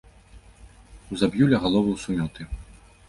Узаб'ю ля галоваў сумёты.